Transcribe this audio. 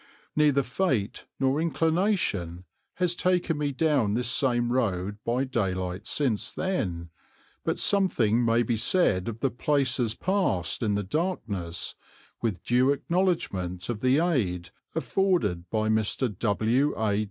Neither fate nor inclination has taken me down this same road by daylight since then, but something may be said of the places passed in the darkness, with due acknowledgment of the aid afforded by Mr. W. A.